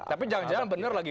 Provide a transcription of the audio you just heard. tapi jangan jangan benar lagi